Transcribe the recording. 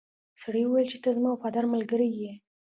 سړي وویل چې ته زما وفادار ملګری یې.